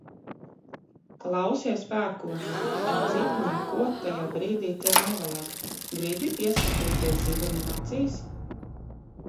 Klausies pērkonā un citu neko tajā brīdī tev nevajag. Gribi ieskatīties zibenim acīs?